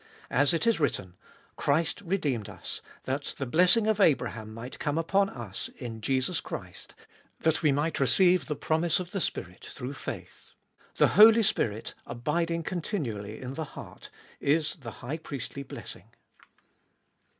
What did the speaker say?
As it is written : "Christ redeemed us, that the blessing of Abraham might come upon us, in Jesus Christ; that we might receive the promise of the Spirit through faith." The Holy Spirit "abiding continually " in the heart is the high priestly blessing.